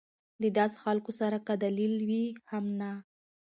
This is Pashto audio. د داسې خلکو سره کۀ دلائل وي هم نۀ